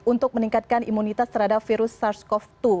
untuk meningkatkan imunitas terhadap virus sars cov dua